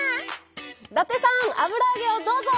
「伊達さん油揚げをどうぞ」！